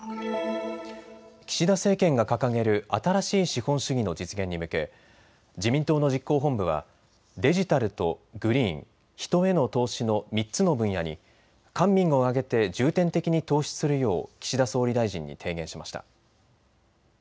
岸田政権が掲げる新しい資本主義の実現に向け自民党の実行本部はデジタルとグリーン、人への投資の３つの分野に官民を挙げて重点的に投資するよう岸田総理大臣に提言しました。